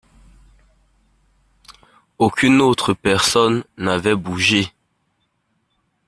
Aucune autre personne n’avait bougé.